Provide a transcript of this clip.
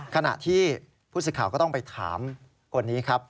ขณะที่ผู้สิทธิ์ข่าวก็ต้องไปถามคนนี้ครับ